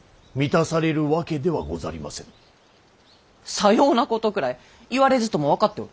さようなことくらい言われずとも分かっておる。